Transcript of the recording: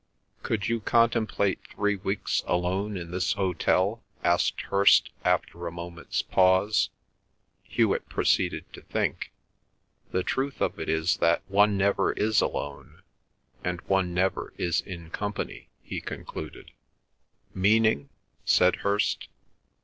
"Could you contemplate three weeks alone in this hotel?" asked Hirst, after a moment's pause. Hewet proceeded to think. "The truth of it is that one never is alone, and one never is in company," he concluded. "Meaning?" said Hirst.